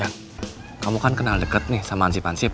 jang kamu kan kenal deket nih sama ansip ansip